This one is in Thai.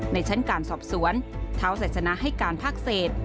ในชั้นการสอบสวนเท้าไซสนาให้การภาคเศษ